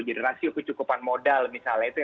jadi rasio kecukupan modal misalnya